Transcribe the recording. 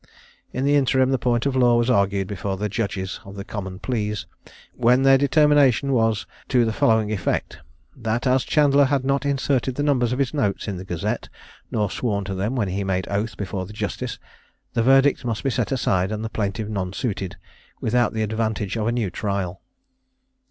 In the interim, the point of law was argued before the judges of the Common Pleas, when their determination was to the following effect: "That, as Chandler had not inserted the numbers of his notes in the Gazette, nor sworn to them when he made oath before the justice, the verdict must be set aside and the plaintiff nonsuited, without the advantage of a new trial."